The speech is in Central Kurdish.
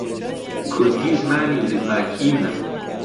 کوردی زمانی زگماکیی منە.